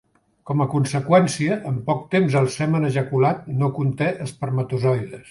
Com a conseqüència, en poc temps el semen ejaculat no conté espermatozoides.